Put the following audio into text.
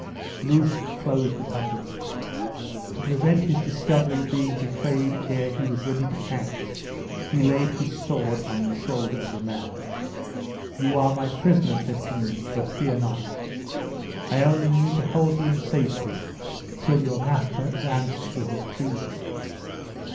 Bruce closed the packet. To prevent his discovery being betrayed ere he was ready to act, he laid his sword upon the shoulder of the man: "You are my prisoner," said he; "but fear not. I only mean to hold you in safety till your master has answered for his treason."